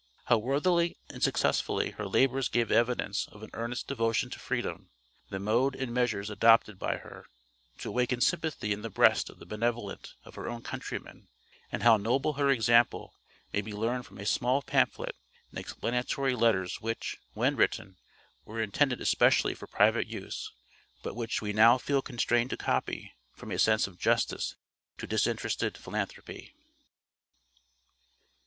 How worthily and successfully her labors gave evidence of an earnest devotion to freedom, the mode and measures adopted by her, to awaken sympathy in the breast of the benevolent of her own countrymen, and how noble her example, may be learned from a small pamphlet and explanatory letters which, when written, were intended especially for private use, but which we now feel constrained to copy from a sense of justice to disinterested philanthropy.